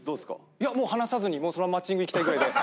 いやもう話さずにそのままマッチングいきたいぐらいで。